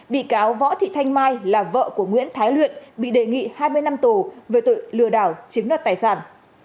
bị cáo võ thị thanh mai là vợ của nguyễn thái luyện bị đề nghị hai mươi năm tù về tội lừa đảo chiếm đoạt tài sản